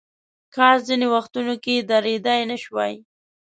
کاش ځینې وختونه که درېدای نشوای.